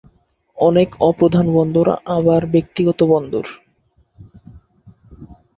অনেক অপ্রধান বন্দর আবার ব্যক্তিগত বন্দর।